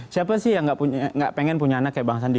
siapa sih yang gak pengen punya anak kayak bang sandi